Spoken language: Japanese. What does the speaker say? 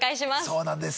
そうなんです。